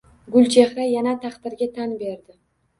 Gulchehra yana taqdirga tan berdi